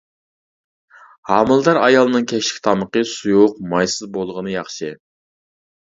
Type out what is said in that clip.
ھامىلىدار ئايالنىڭ كەچلىك تامىقى سۇيۇق مايسىز بولغىنى ياخشى.